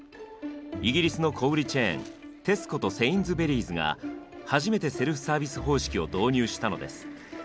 イギリスの小売チェーンテスコとセインズベリーズが初めてセルフサービス方式を導入したのです。